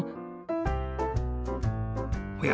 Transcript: おや？